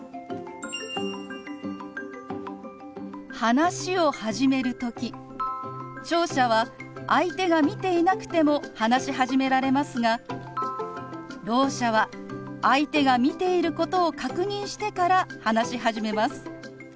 話を始める時聴者は相手が見ていなくても話し始められますがろう者は相手が見ていることを確認してから話し始めます。